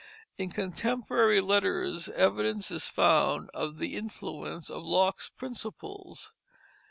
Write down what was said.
In contemporary letters evidence is found of the influence of Locke's principles.